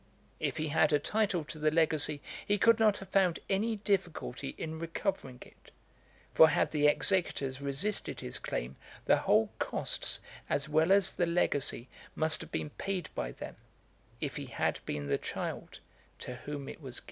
If he had a title to the legacy, he could not have found any difficulty in recovering it; for had the executors resisted his claim, the whole costs, as well as the legacy, must have been paid by them, if he had been the child to whom it was given.